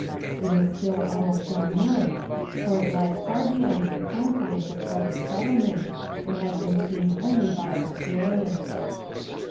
It is still almost unknown, for it lies far beyond the confines of present settlement and has been seen only by explorers.